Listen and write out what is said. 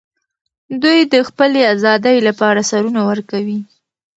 دوی د خپلې ازادۍ لپاره سرونه ورکوي.